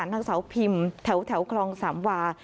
นางสาวพิมพ์แถวคลองสามวา